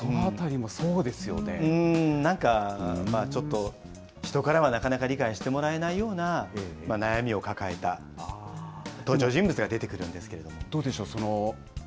なんか、ちょっと人からはなかなか理解してもらえないような、悩みを抱えた登場人物が出てくるどうでしょう？